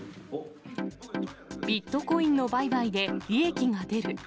ビットコインの売買で利益が出る。